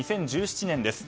２０１７年です。